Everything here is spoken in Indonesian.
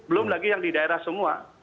belum lagi yang di daerah semua